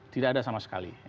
tidak ada sama sekali